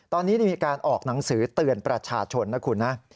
ตอนนี้มีการออกหนังสือเตือนประชาชนนะคุณนะ